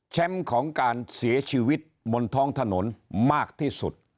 ของการเสียชีวิตบนท้องถนนมากที่สุด